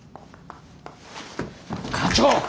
課長！